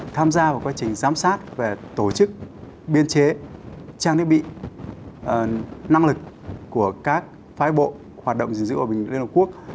tham gia vào quá trình giám sát về tổ chức biên chế trang thiết bị năng lực của các phái bộ hoạt động giữ dữ của liên hợp quốc